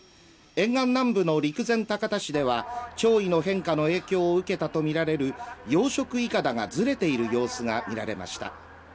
沿岸南部の陸前高田市では潮位の変化の影響を受けたとみられる養殖いかだがずれている様子が見られました。